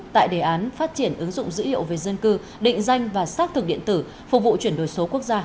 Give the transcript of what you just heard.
tại đề án phát triển ứng dụng dữ liệu về dân cư định danh và xác thực điện tử phục vụ chuyển đổi số quốc gia